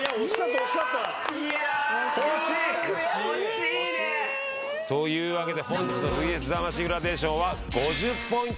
というわけで本日の『ＶＳ魂』グラデーションは。